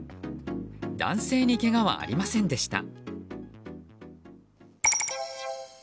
男性にけがはありませんでした。